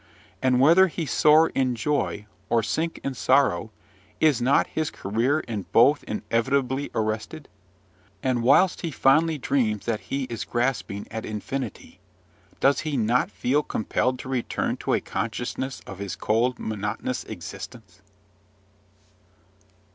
And whether he soar in joy, or sink in sorrow, is not his career in both inevitably arrested? And, whilst he fondly dreams that he is grasping at infinity, does he not feel compelled to return to a consciousness of his cold, monotonous existence?